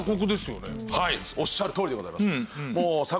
はいおっしゃるとおりでございます。